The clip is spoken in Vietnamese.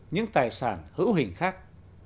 những tài sản hữu hình khác